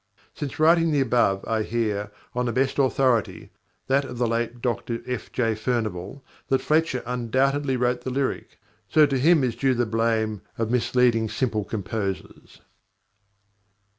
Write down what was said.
Since writing the above, I hear, on the best authority, that of the late Dr F. J. Furnivall, that Fletcher undoubtedly wrote the lyric: so to him is due the blame of misleading simple composers.